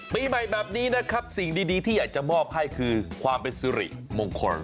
ปีใหม่แบบนี้นะครับสิ่งดีที่อยากจะมอบให้คือความเป็นสุริมงคล